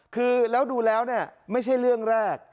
คือแล้วดูแล้วเนี่ยไม่ใช่เรื่องแรก